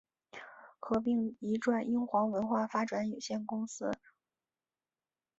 合并移转英皇文化发展有限公司。